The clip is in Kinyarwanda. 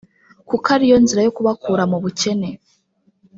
kuko ariyo nzira yo kubakura mu bukene